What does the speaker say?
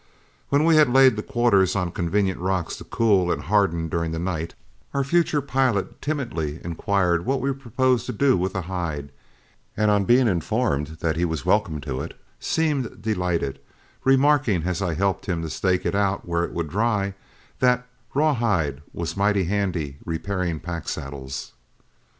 When we had laid the quarters on convenient rocks to cool and harden during the night, our future pilot timidly inquired what we proposed to do with the hide, and on being informed that he was welcome to it, seemed delighted, remarking, as I helped him to stake it out where it would dry, that "rawhide was mighty handy repairing pack saddles."